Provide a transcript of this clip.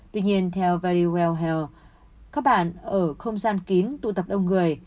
tuy nhiên theo verywellhealth các bạn ở không gian kín tụ tập đông người